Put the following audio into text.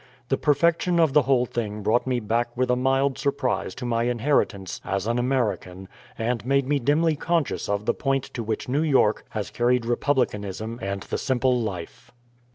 The perfection of the whole thing brought me back with a mild surprise to my inheritance as an American, and made me dimly conscious of the point to which New York has carried republicanism and the simple life.